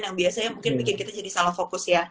yang biasanya mungkin bikin kita jadi salah fokus ya